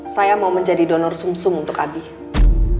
saya mau menjadi donor sum sum untuk abi